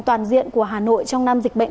toàn diện của hà nội trong năm dịch bệnh